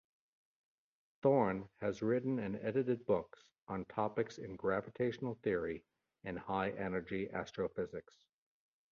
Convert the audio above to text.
Thorne has written and edited books on topics in gravitational theory and high-energy astrophysics.